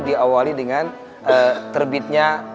diawali dengan terbitnya